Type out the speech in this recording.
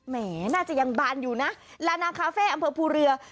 แหมน่าจะยังบานอยู่นะลานาคาเฟ่อำเภอภูเรือ